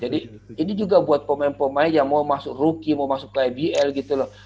jadi ini juga buat pemain pemain yang mau masuk rookie mau masuk ke ibl gitu loh